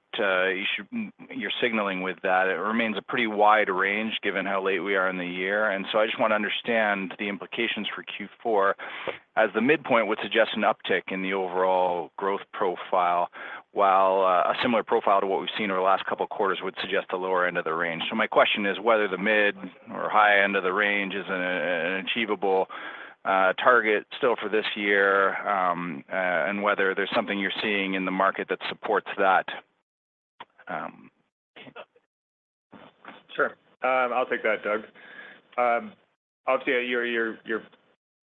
you're signaling with that. It remains a pretty wide range given how late we are in the year, and so I just want to understand the implications for Q4. As the midpoint would suggest an uptick in the overall growth profile, while a similar profile to what we've seen over the last couple of quarters would suggest the lower end of the range, so my question is whether the mid or high end of the range is an achievable target still for this year and whether there's something you're seeing in the market that supports that. Sure. I'll take that, Doug. Obviously, you're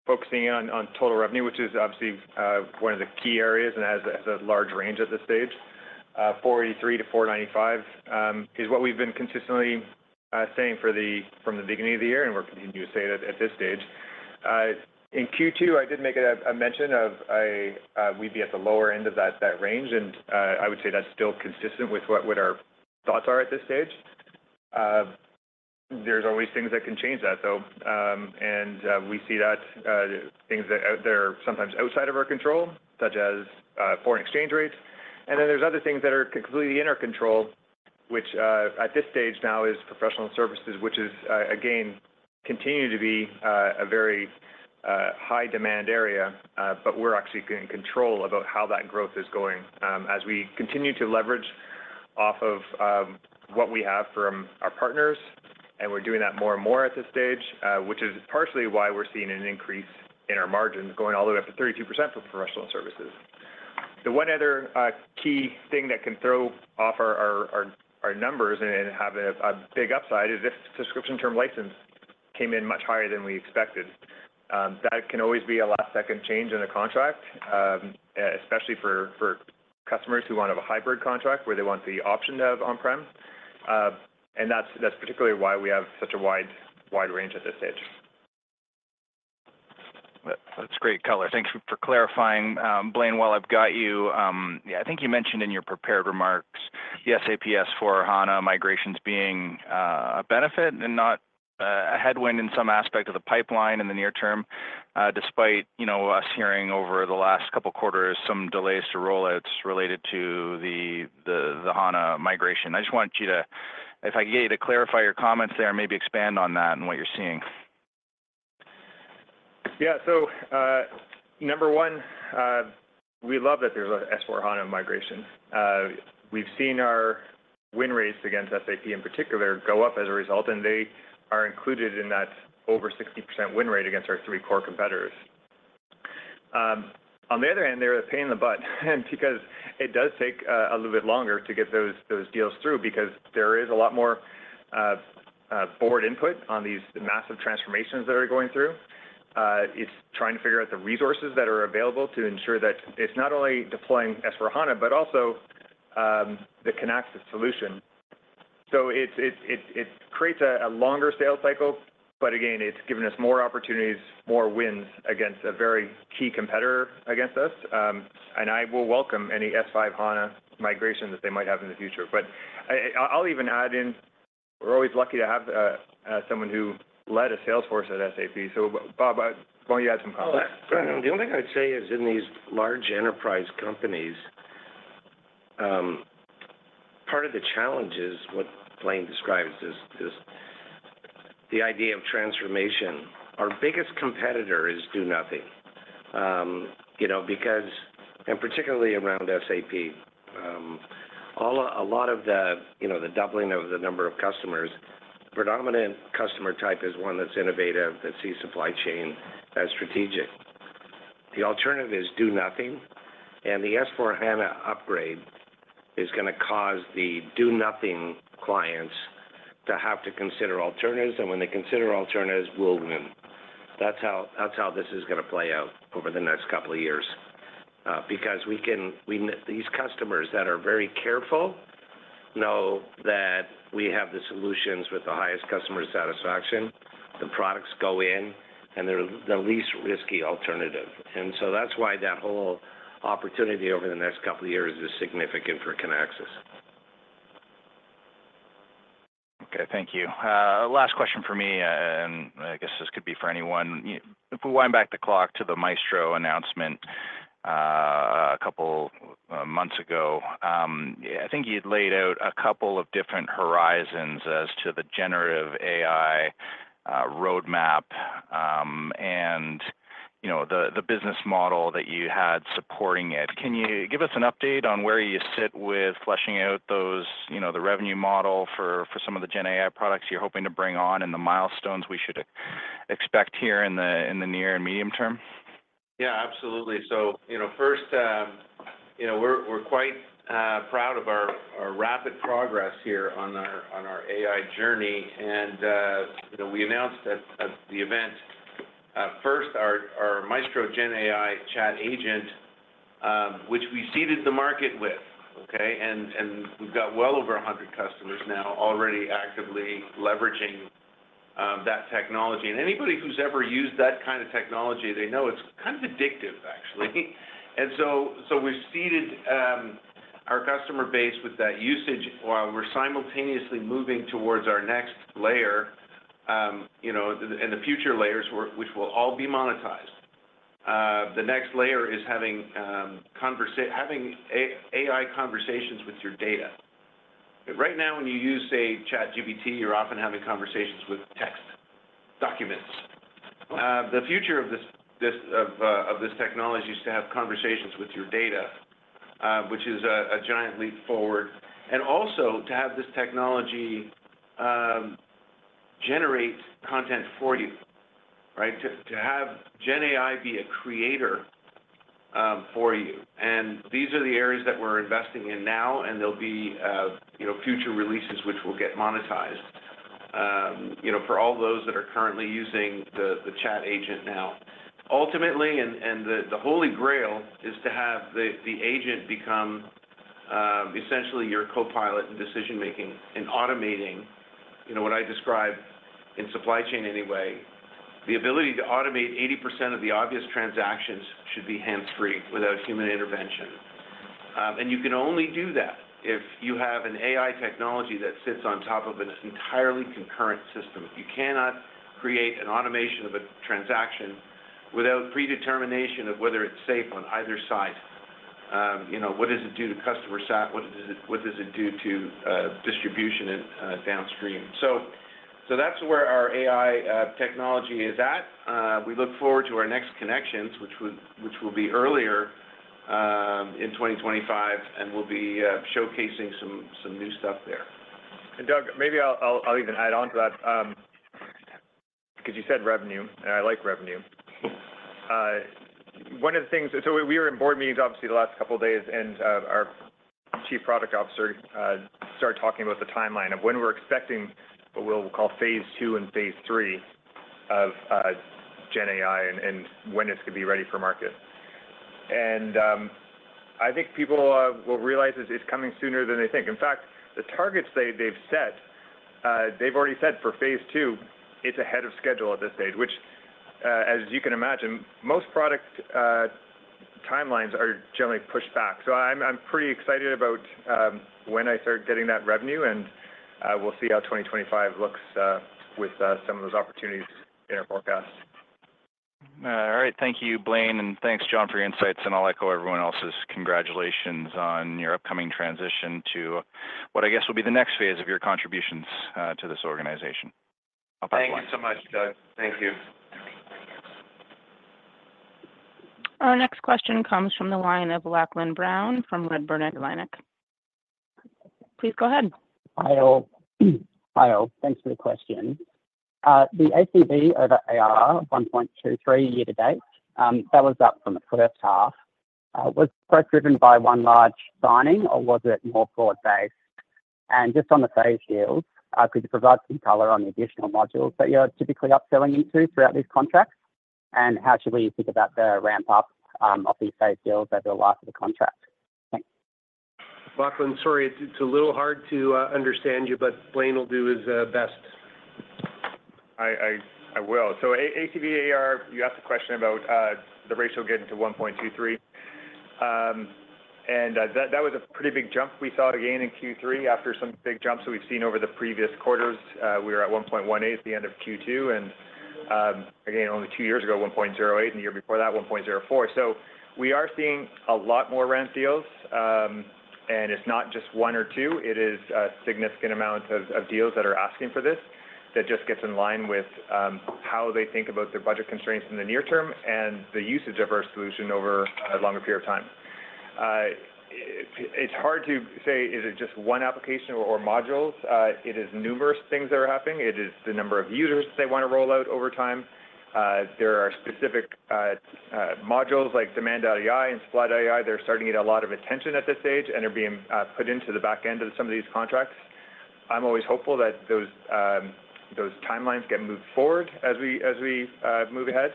focusing on total revenue, which is obviously one of the key areas and has a large range at this stage. $483-$495 is what we've been consistently saying from the beginning of the year, and we're continuing to say it at this stage. In Q2, I did make a mention of we'd be at the lower end of that range, and I would say that's still consistent with what our thoughts are at this stage. There's always things that can change that, though, and we see that things that are sometimes outside of our control, such as foreign exchange rates, and then there's other things that are completely in our control, which at this stage now is professional services, which is, again, continuing to be a very high-demand area. But we're actually in control about how that growth is going as we continue to leverage off of what we have from our partners. And we're doing that more and more at this stage, which is partially why we're seeing an increase in our margins going all the way up to 32% for professional services. The one other key thing that can throw off our numbers and have a big upside is if subscription term license came in much higher than we expected. That can always be a last-second change in the contract, especially for customers who want to have a hybrid contract where they want the option to have on-prem. And that's particularly why we have such a wide range at this stage. That's great, Keller. Thanks for clarifying. Blaine, while I've got you, yeah, I think you mentioned in your prepared remarks the SAP S/4HANA migrations being a benefit and not a headwind in some aspect of the pipeline in the near term, despite us hearing over the last couple of quarters some delays to rollouts related to the HANA migration. I just want you to, if I can get you to clarify your comments there and maybe expand on that and what you're seeing. Yeah. So number one, we love that there's an S/4HANA migration. We've seen our win rates against SAP in particular go up as a result, and they are included in that over 60% win rate against our three core competitors. On the other hand, they're a pain in the butt because it does take a little bit longer to get those deals through because there is a lot more board input on these massive transformations that are going through. It's trying to figure out the resources that are available to ensure that it's not only deploying S/4HANA, but also the Kinaxis solution. So it creates a longer sales cycle, but again, it's given us more opportunities, more wins against a very key competitor against us, and I will welcome any S/5HANA migration that they might have in the future. But I'll even add in, we're always lucky to have someone who led a sales force at SAP. So Bob, why don't you add some comments? The only thing I'd say is in these large enterprise companies, part of the challenge is what Blaine describes is the idea of transformation. Our biggest competitor is do-nothing, and particularly around SAP, a lot of the doubling of the number of customers, the predominant customer type is one that's innovative, that sees supply chain as strategic, the alternative is do-nothing, and the S/4HANA upgrade is going to cause the do-nothing clients to have to consider alternatives, and when they consider alternatives, we'll win. That's how this is going to play out over the next couple of years because these customers that are very careful know that we have the solutions with the highest customer satisfaction. The products go in, and they're the least risky alternative, and so that's why that whole opportunity over the next couple of years is significant for Kinaxis. Okay. Thank you. Last question for me, and I guess this could be for anyone. If we wind back the clock to the Maestro announcement a couple of months ago, I think you'd laid out a couple of different horizons as to the generative AI roadmap and the business model that you had supporting it. Can you give us an update on where you sit with flushing out the revenue model for some of the Gen AI products you're hoping to bring on and the milestones we should expect here in the near and medium term? Yeah, absolutely, so first, we're quite proud of our rapid progress here on our AI journey, and we announced at the event first our Maestro Gen AI chat agent, which we seeded the market with. Okay? And we've got well over 100 customers now already actively leveraging that technology, and anybody who's ever used that kind of technology, they know it's kind of addictive, actually, and so we've seeded our customer base with that usage while we're simultaneously moving towards our next layer and the future layers, which will all be monetized. The next layer is having AI conversations with your data. Right now, when you use, say, ChatGPT, you're often having conversations with text, documents. The future of this technology is to have conversations with your data, which is a giant leap forward, and also to have this technology generate content for you, right? To have Gen AI be a creator for you. And these are the areas that we're investing in now, and there'll be future releases which will get monetized for all those that are currently using the chat agent now. Ultimately, and the holy grail is to have the agent become essentially your co-pilot in decision-making and automating what I describe in supply chain anyway. The ability to automate 80% of the obvious transactions should be hands-free without human intervention. And you can only do that if you have an AI technology that sits on top of an entirely concurrent system. You cannot create an automation of a transaction without predetermination of whether it's safe on either side. What does it do to customer's SAP? What does it do to distribution downstream? So that's where our AI technology is at. We look forward to our next Kinexions, which will be earlier in 2025, and we'll be showcasing some new stuff there. And Doug, maybe I'll even add on to that because you said revenue, and I like revenue. One of the things, so we were in board meetings, obviously, the last couple of days, and our Chief Product Officer started talking about the timeline of when we're expecting what we'll call phase two and phase three of Gen AI and when it's going to be ready for market. And I think people will realize it's coming sooner than they think. In fact, the targets they've set, they've already said for phase two, it's ahead of schedule at this stage, which, as you can imagine, most product timelines are generally pushed back. So I'm pretty excited about when I start getting that revenue, and we'll see how 2025 looks with some of those opportunities in our forecast. All right. Thank you, Blaine. And thanks, John, for your insights. And I'll echo everyone else's congratulations on your upcoming transition to what I guess will be the next phase of your contributions to this organization. I'll pass the mic. Thank you so much, Doug. Thank you. Our next question comes from the line of Lachlan Brown from Redburn Atlantic. Please go ahead. Hi all. Thanks for the question. The ACV of ARR 1.23 year to date, that was up from the first half. Was it driven by one large signing, or was it more broad-based? And just on the phase deals, could you provide some color on the additional modules that you're typically upselling into throughout these contracts? And how should we think about the ramp-up of these phase deals over the life of the contract? Thanks. Lachlan, sorry, it's a little hard to understand you, but Blaine will do his best. I will. So ACV ARR, you asked a question about the ratio getting to 1.23. And that was a pretty big jump. We saw it again in Q3 after some big jumps that we've seen over the previous quarters. We were at 1.18 at the end of Q2. And again, only two years ago, 1.08, and the year before that, 1.04. So we are seeing a lot more ramp deals. And it's not just one or two. It is a significant amount of deals that are asking for this that just gets in line with how they think about their budget constraints in the near term and the usage of our solution over a longer period of time. It's hard to say, is it just one application or modules? It is numerous things that are happening. It is the number of users that they want to roll out over time. There are specific modules like Demand.AI and Supply.AI. They're starting to get a lot of attention at this stage, and they're being put into the back end of some of these contracts. I'm always hopeful that those timelines get moved forward as we move ahead.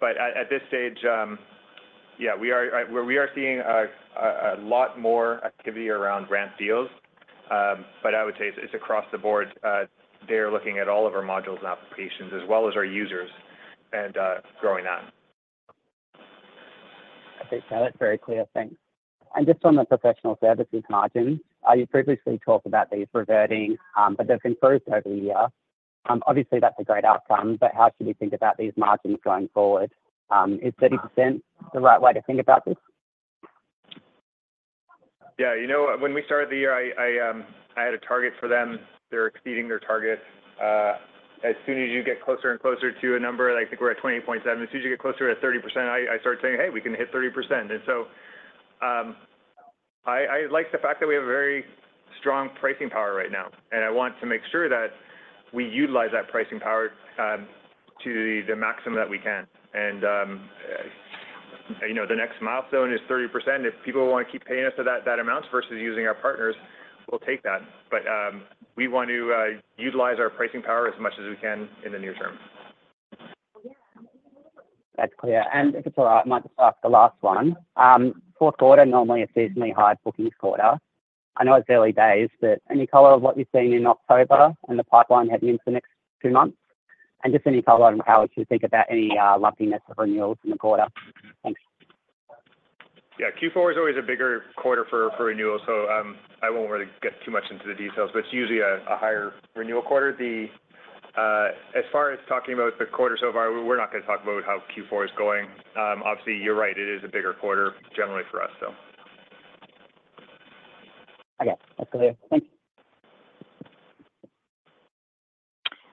But at this stage, yeah, we are seeing a lot more activity around ramp deals. But I would say it's across the board. They're looking at all of our modules and applications as well as our users and growing that. Okay. Kelly, very clear. Thanks. And just on the professional services margins, you previously talked about these reverting, but they've been higher over the year. Obviously, that's a great outcome, but how should we think about these margins going forward? Is 30% the right way to think about this? Yeah. When we started the year, I had a target for them. They're exceeding their target. As soon as you get closer and closer to a number, I think we're at 28.7%. As soon as you get closer to 30%, I started saying, "Hey, we can hit 30%." And so I like the fact that we have a very strong pricing power right now. And I want to make sure that we utilize that pricing power to the maximum that we can. And the next milestone is 30%. If people want to keep paying us that amount versus using our partners, we'll take that. But we want to utilize our pricing power as much as we can in the near term. That's clear. And if it's all right, I might just ask the last one. Fourth quarter normally is seasonally high bookings quarter. I know it's early days, but any color of what you've seen in October and the pipeline heading into the next two months? And just any color of how would you think about any lumpiness of renewals in the quarter? Thanks. Yeah. Q4 is always a bigger quarter for renewals, so I won't really get too much into the details, but it's usually a higher renewal quarter. As far as talking about the quarter so far, we're not going to talk about how Q4 is going. Obviously, you're right. It is a bigger quarter generally for us, so. Okay. That's clear. Thanks.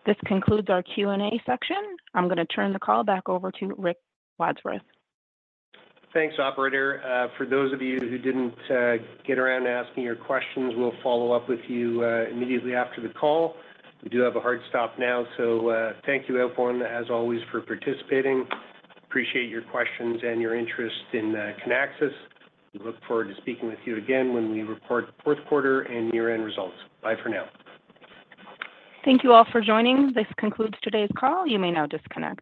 This concludes our Q&A section. I'm going to turn the call back over to Rick Wadsworth. Thanks, operator. For those of you who didn't get around to asking your questions, we'll follow up with you immediately after the call. We do have a hard stop now, so thank you everyone, as always, for participating. Appreciate your questions and your interest in Kinaxis. We look forward to speaking with you again when we report fourth quarter and year-end results. Bye for now. Thank you all for joining. This concludes today's call. You may now disconnect.